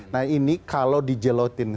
nah ini kalau dijelotin